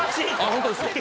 ホントです。